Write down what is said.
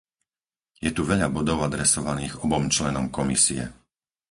Je tu veľa bodov adresovaných obom členom Komisie.